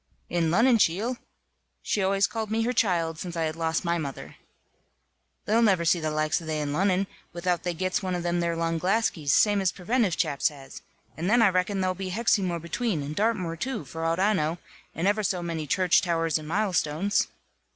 "In Lonnon, cheel!" she always called me her child, since I had lost my mother "they'll never see the likes of they in Lonnon, without they gits one of them there long glaskies, same as preventive chaps has, and then I reckon there'll be Hexymoor between, and Dartmoor too, for out I know, and ever so many church towers and milestones."